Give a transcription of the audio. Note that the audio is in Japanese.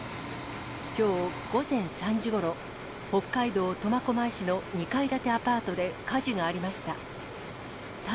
きょう午前３時ごろ、北海道苫小牧市の２階建てアパートで火事がありました。